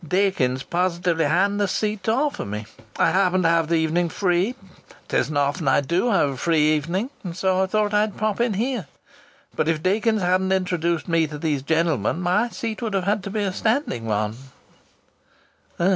"Dakins positively hadn't a seat to offer me. I happened to have the evening free. It isn't often I do have a free evening. And so I thought I'd pop in here. But if Dakins hadn't introduced me to these gentlemen my seat would have had to be a standing one."